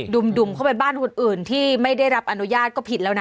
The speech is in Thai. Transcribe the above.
ุ่มเข้าไปบ้านคนอื่นที่ไม่ได้รับอนุญาตก็ผิดแล้วนะ